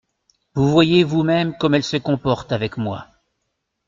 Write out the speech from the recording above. Vous voyez vous-même comme elle se comporte avec moi.